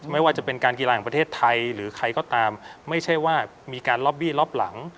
ไม่ว่าจะเป็นการกีฬาของประเทศไทยหรือใครก็ตามไม่ใช่ว่ามีการล็อบบี้รอบหลัง